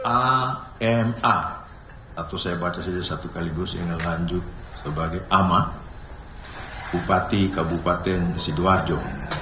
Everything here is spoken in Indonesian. atau saya baca saja satu kali saya akan lanjut sebagai ahmad bupati kabupaten sidoarjo